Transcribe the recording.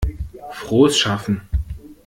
Frohes Schaffen!